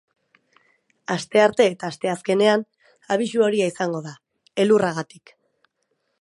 Astearte eta asteazkenean, abisu horia izango da, elurragatik.